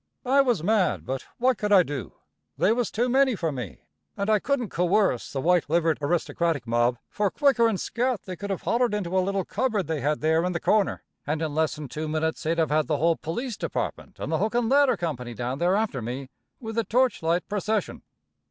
I was mad, but what could I do? They was too many for me, and I couldn't coerce the white livered aristocratic mob, for quicker'n scat they could have hollored into a little cupboard they had there in the corner, and in less'n two minits they'd of had the whole police department and the hook and ladder company down there after me with a torch light procession.